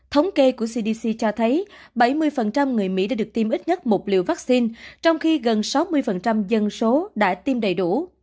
thống kê của cdc cho thấy bảy mươi người mỹ đã được tiêm ít nhất một liều vaccine trong khi gần sáu mươi dân số đã tiêm đầy đủ